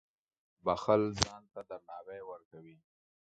• بښل ځان ته درناوی ورکوي.